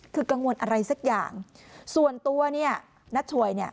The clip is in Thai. คือกังวลอะไรสักอย่างส่วนตัวนัทชวย